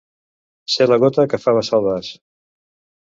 Ser la gota que fa vessar el vas.